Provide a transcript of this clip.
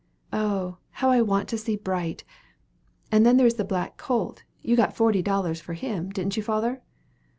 Oh, how I want to see Bright! And then there is the black colt you got forty dollars for him, didn't you, father?"